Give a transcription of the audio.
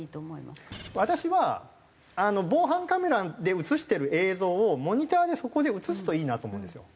私は防犯カメラで映してる映像をモニターでそこで映すといいなと思うんですよ。